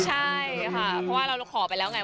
ใช่ค่ะเพราะว่าเราขอไปแล้วไง